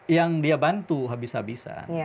yang dia bantu habis habisan